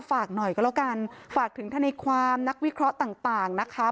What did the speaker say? ฝากหน่อยก็แล้วกันฝากถึงธนายความนักวิเคราะห์ต่างนะคะ